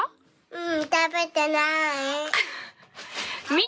ううん、食べてない。